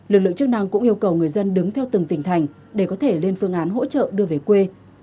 lực lượng chức năng cũng yêu cầu người dân đứng theo từng tỉnh thành để có thể lên phương án hỗ trợ đưa về quê